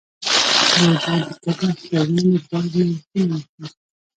د اوبو د کمښت پر وړاندې باید نوښتونه وشي.